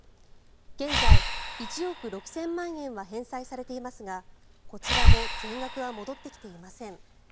現在、１億６０００万円は返済されていますがこちらも全額は戻ってきていません。